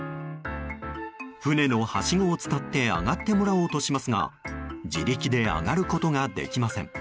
船のはしごを伝って上がってもらおうとしますが自力で上がることができません。